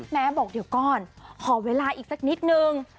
บอกเดี๋ยวก่อนขอเวลาอีกสักนิดนึง